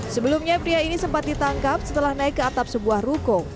sebelumnya pria ini sempat ditangkap setelah naik ke atap sebuah ruko